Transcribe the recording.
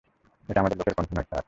এটা আমাদের লোকের কণ্ঠ নয়, স্যার।